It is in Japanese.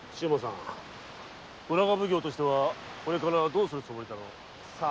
浦賀奉行としてはこれからどうするつもりだろう？